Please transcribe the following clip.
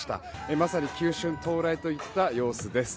まさに球春到来といった様子です。